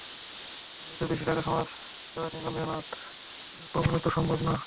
আর এতো বেশি টাকা, সমাজ সেবা কিংবা মেহনত করে কামানো তো সম্ভব না।